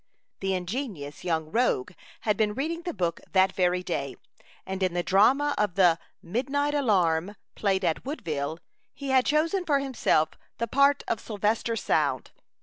The ingenious young rogue had been reading the book that very day, and in the drama of the "Midnight Alarm," played at Woodville, he had chosen for himself the part of Sylvester Sound.